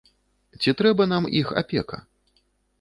Ці трэба нам іх апека?